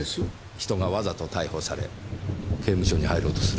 人がわざと逮捕され刑務所に入ろうとする理由です。